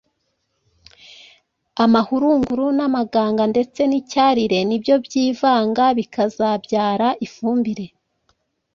amahurunguru n’amaganga ndetse n’icyarire ni byo byivanga bikazabyara ifumbire.